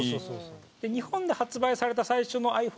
日本で発売された最初のｉＰｈｏｎｅがこちら。